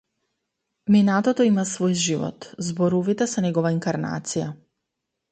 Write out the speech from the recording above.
Минатото има свој живот, зборовите се негова инкарнација.